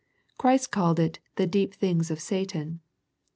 Christ called it " the deep things of Satan."